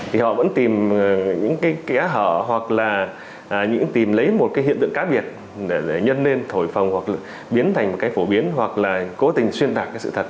thì họ vẫn tìm những kẻ hở hoặc là những tìm lấy một hiện tượng khác biệt để nhân lên thổi phòng hoặc biến thành một cái phổ biến hoặc là cố tình xuyên tạc sự thật